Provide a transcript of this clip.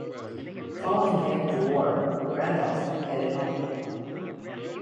Following the end of the war, "Randolph" headed home.